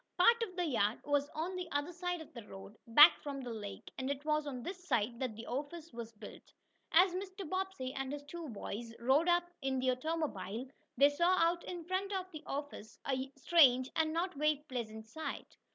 Part of the yard was on the other side of the road, back from the lake, and it was on this side that the office was built. As Mr. Bobbsey and his two boys rode up in the automobile, they saw out in front of the office a strange and not very pleasant sight.